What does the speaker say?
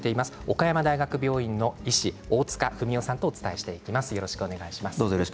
岡山大学病院の医師大塚文男さんとお伝えしていきます。